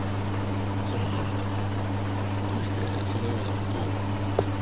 そのあなたがどうしてそのような事を？